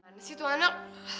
mana sih tuh anak